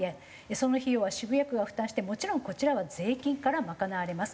その費用は渋谷区が負担してもちろんこちらは税金から賄われます。